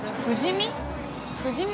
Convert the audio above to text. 富士見？